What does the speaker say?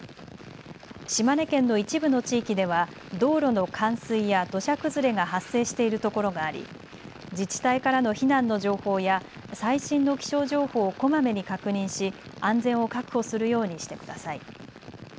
島根県の一部の地域では道路の冠水や土砂崩れが発生しているところがあり自治体からの避難の情報や最新の気象情報をこまめに確認し安全を確保するようにしてください。